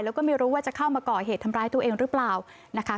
แล้วก็ไม่รู้ว่าจะเข้ามาก่อเหตุทำร้ายตัวเองหรือเปล่านะคะ